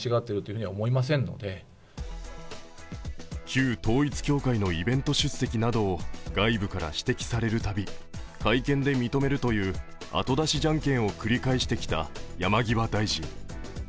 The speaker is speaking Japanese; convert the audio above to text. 旧統一教会のイベント出席などを外部から指摘されるたび、会見で認めるという後出しじゃんけんを繰り返してきた山際大臣。